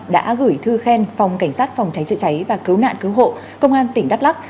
đã gửi thư khen phòng cảnh sát phòng cháy chữa cháy và cứu nạn cứu hộ công an tỉnh đắk lắc